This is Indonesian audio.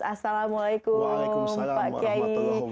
assalamualaikum pak kiai